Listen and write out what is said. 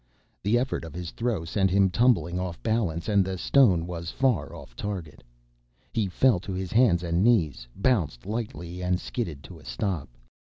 The effort of his throw sent him tumbling off balance, and the stone was far off target. He fell to his hands and knees, bounced lightly and skidded to a stop.